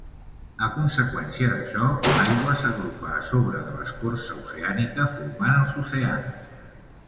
A conseqüència d'això, l'aigua s'agrupa a sobre de l'escorça oceànica, formant els oceans.